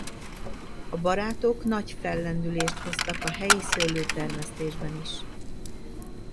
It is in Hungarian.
A barátok nagy fellendülést hoztak a helyi szőlőtermesztésben is.